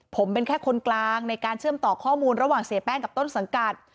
ผมเป็นแค่คนกลางในการเชื่อมต่อข้อมูลระหว่างเสียแป้งกับต้นสังกัด